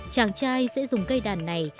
chàng trai sẽ dùng cây đàn này